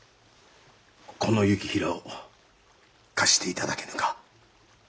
この行平を貸していただけぬか？